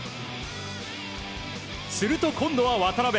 すると、今度は渡辺。